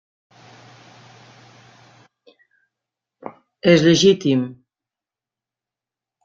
És legítim.